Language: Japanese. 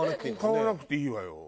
買わなくていいわよ。